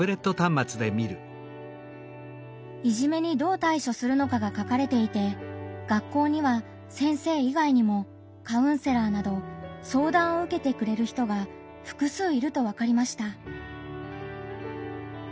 いじめにどう対処するのかが書かれていて学校には先生以外にもカウンセラーなど相談を受けてくれる人が複数いるとわかりました。